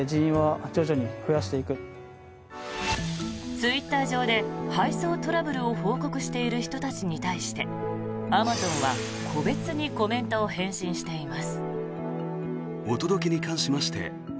ツイッター上で配送トラブルを報告している人たちに対してアマゾンは個別にコメントを返信しています。